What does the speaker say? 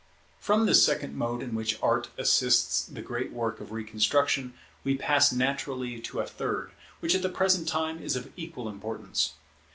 [Contrasts with the past] From this second mode in which Art assists the great work of reconstruction we pass naturally to a third, which at the present time is of equal importance.